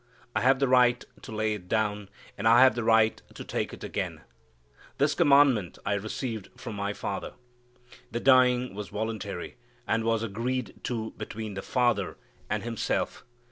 I have the right to lay it down, and I have the right to take it again. This commandment I received from my Father." The dying was voluntary and was agreed to between the Father and Himself.